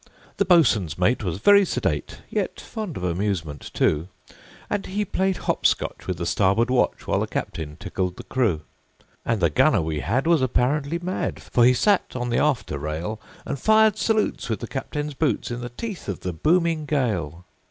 The boatswain's mate was very sedate, Yet fond of amusement, too; And he played hop scotch with the starboard watch, While the captain tickled the crew. And the gunner we had was apparently mad, For he sat on the after rail, And fired salutes with the captain's boots, In the teeth of the booming gale.